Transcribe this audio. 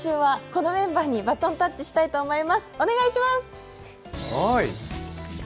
来週は、このメンバーにバトンタッチしたいと思います。